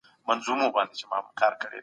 کتابونه په ډېر دقت سره چاپ سوي دي.